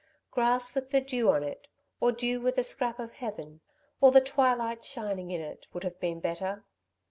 'Grass with the dew on it, or dew with a scrap of heaven, or the twilight shining in it, would have been better.